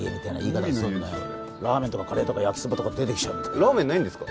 ラーメンとかカレーとか焼きそばとか出てきちゃうみたいラーメンないんですか？